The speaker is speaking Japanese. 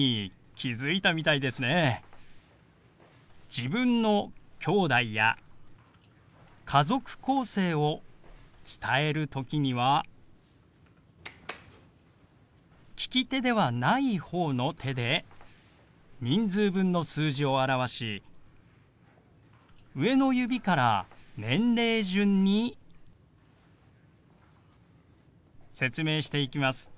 自分のきょうだいや家族構成を伝える時には利き手ではない方の手で人数分の数字を表し上の指から年齢順に説明していきます。